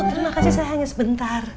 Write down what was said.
terima kasih saya hanya sebentar